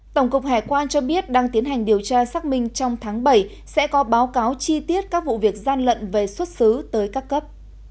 tổng cục hải quan cho biết đang tiến hành điều tra xác minh trong tháng bảy sẽ có báo cáo chi tiết các vụ việc gian lận về xuất xứ tới các cấp